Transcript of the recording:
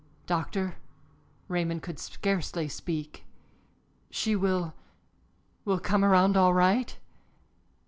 "Doctor " Raymond could scarcely speak. "She will will come around all right?"